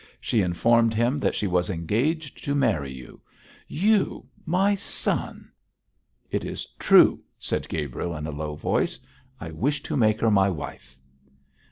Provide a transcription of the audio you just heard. She informed him that she was engaged to marry you you, my son.' 'It is true!' said Gabriel, in a low voice. 'I wish to make her my wife.'